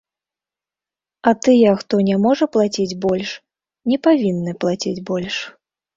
А тыя, хто не можа плаціць больш, не павінны плаціць больш.